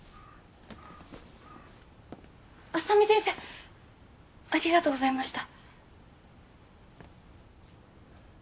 浅海先生ありがとうございました。